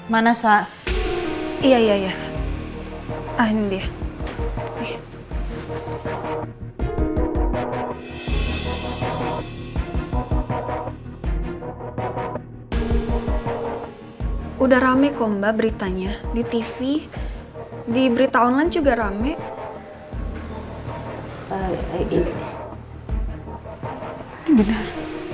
mana saat iya ini dia udah rame komba beritanya di tv di berita online juga rame ini bener